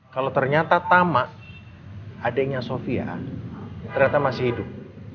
kalau ternyata tama adanya sofia ternyata masih hidup